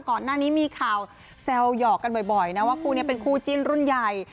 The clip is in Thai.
ก่อนหน้านี้มีข่าวแซวหยอกกันบ่อยนะว่าคู่นี้เป็นคู่จิ้นรุ่นใหญ่